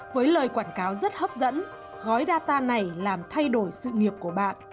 với lời quảng cáo rất hấp dẫn gói data này làm thay đổi sự nghiệp của bạn